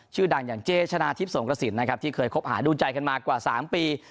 ชื่อดังอย่างเจชนะทิพย์สงกระสินนะครับที่เคยคบหาดูใจกันมากว่า๓ปี